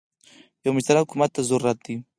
یو مشترک حکومت زوروت ده